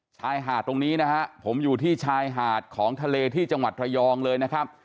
ชายหาดตรงนี้นะฮะผมอยู่ที่ชายหาดของทะเลที่จังหวัดระยองเลยนะครับ